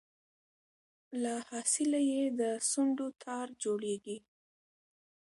له حاصله یې د سونډو تار جوړیږي